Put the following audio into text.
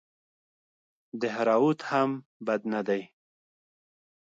دهراوت هم بد نه دئ.